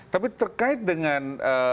tapi terkait dengan